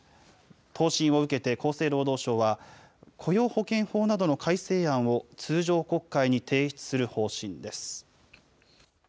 答申を受けて厚生労働省は、雇用保険法などの改正案を通常国会に提出する方針です。